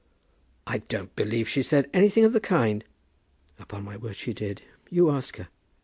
"I don't believe she said anything of the kind." "Upon my word she did. You ask her."